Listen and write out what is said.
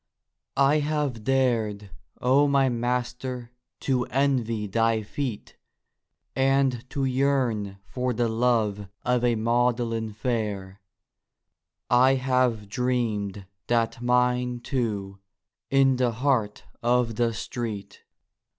I have dared, O my Master, to envy thy feet, And to yearn for the love of a Magdalen fair; I have dreamed that mine, too, in the heart of the street.